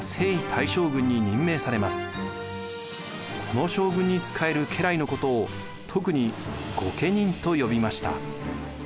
この将軍に仕える家来のことを特に御家人と呼びました。